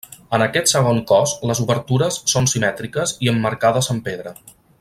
En aquest segon cos les obertures són simètriques i emmarcades amb pedra.